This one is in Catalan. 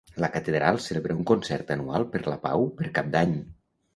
La catedral celebra un concert anual per la pau per Cap d'Any.